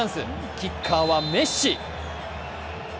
キッカーはメッシ。